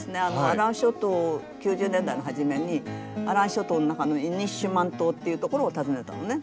アラン諸島９０年代の初めにアラン諸島の中のイニシュマン島っていうところを訪ねたのね。